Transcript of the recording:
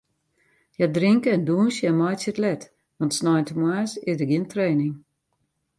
Hja drinke en dûnsje en meitsje it let, want sneintemoarns is der gjin training.